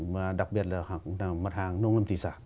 mà đặc biệt là mặt hàng nông lâm thị sản